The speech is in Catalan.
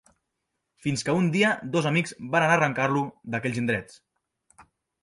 Fins que un dia dos amics varen arrencar-lo d'aquells indrets.